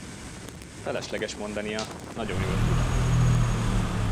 Felesleges mondania, nagyon jól tudom!